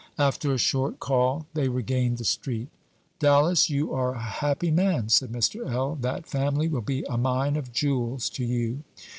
After a short call they regained the street. "Dallas, you are a happy man," said Mr. L.; "that family will be a mine of jewels to you."